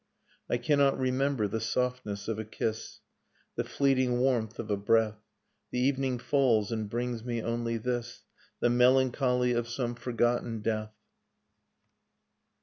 .. I cannot remember the softness of a kiss. The fleeting warmth of a breath. The evening falls, and brings me only this, — The melancholy of some forgotten death.